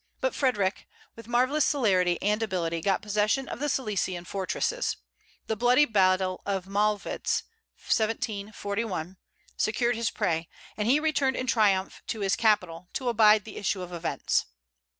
But Frederic, with marvellous celerity and ability, got possession of the Silesian fortresses; the bloody battle of Mollwitz (1741) secured his prey, and he returned in triumph to his capital, to abide the issue of events.